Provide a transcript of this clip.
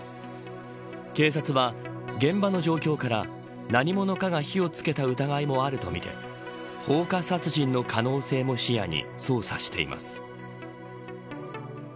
警察は現場の状況から何者かが火をつけた疑いもあるとみて放火殺人の可能性も視野に捜査しています。